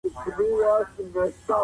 د افغانستان په کلتور کې زعفران ځای لري.